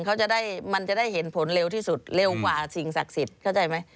เขาจะได้มันจะได้เห็นผลเร็วที่สุดเร็วกว่าสิ่งศักดิ์สิทธิ์เข้าใจไหม